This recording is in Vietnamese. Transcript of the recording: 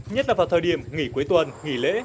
nhất là vào thời điểm nghỉ cuối tuần nghỉ lễ